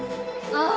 ああ。